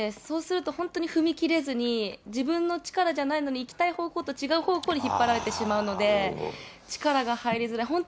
そうすると本当に、踏み切れずに、自分の力じゃないのに、行きたい方向と違う方向に引っ張られてしまうので、力が入りづらい。